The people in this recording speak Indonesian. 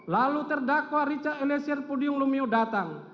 lalu terdakwa richard eliezer pudium lumiu datang